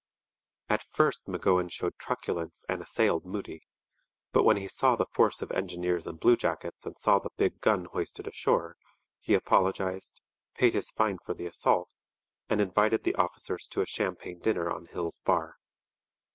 At first M'Gowan showed truculence and assailed Moody; but when he saw the force of engineers and bluejackets and saw the big gun hoisted ashore, he apologized, paid his fine for the assault, and invited the officers to a champagne dinner on Hill's Bar.